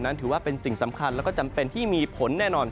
ถือว่าเป็นสิ่งสำคัญแล้วก็จำเป็นที่มีผลแน่นอน